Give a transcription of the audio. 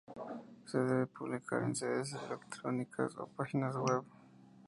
Se debe publicar en sedes electrónicas o páginas web.